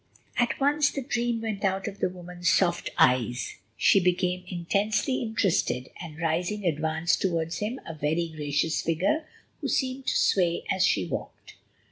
At once the dream went out of the woman's soft eyes; she became intensely interested, and, rising, advanced towards him, a very gracious figure, who seemed to sway as she walked.